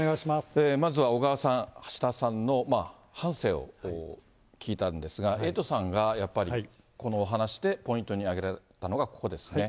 まずは小川さん、橋田さんの半生を聞いたんですが、エイトさんがやっぱり、このお話でポイントに挙げられたのがここですね。